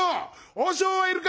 和尚はいるか？